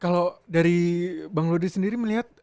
kalau dari bang lodri sendiri melihat